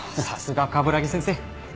さすが鏑木先生。